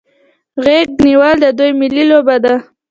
غیږ نیول د دوی ملي لوبه ده.